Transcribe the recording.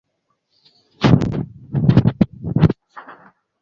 Anza na wanyama walio salama wakati wa kukamua maziwa